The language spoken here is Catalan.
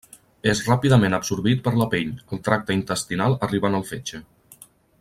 És ràpidament absorbit per la pell, el tracte intestinal arribant al fetge.